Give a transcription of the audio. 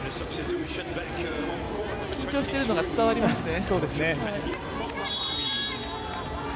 緊張しているのが伝わりますね。